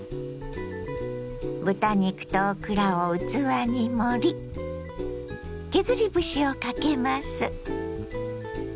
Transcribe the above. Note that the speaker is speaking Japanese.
豚肉とオクラを器に盛り削り節をかけます。